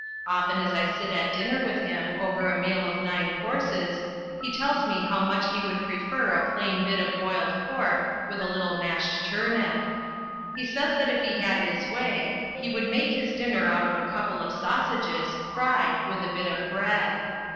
Often as I sit at dinner with him over a meal of nine courses, he tells me how much he would prefer a plain bit of boiled pork with a little mashed turnip. He says that if he had his way he would make his dinner out of a couple of sausages, fried with a bit of bread.